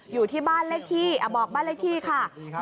อยู่ที่บ้านเลขที่บอกบ้านเลขที่ค่ะ